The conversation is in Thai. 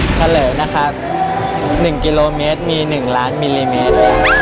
เฉลยนะครับ๑กิโลเมตรมี๑ล้านมิลลิเมตร